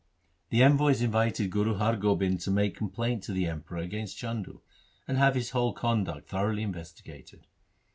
The envoys invited Guru Har Gobind to make complaint to the Emperor against Chandu, and have his whole conduct thoroughly investigated.